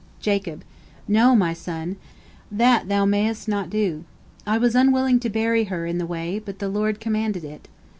Jacob: "No, my son, that thou mayest not do. I was unwilling to bury her in the way, but the Lord commanded it."